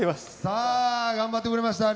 さあ頑張ってくれました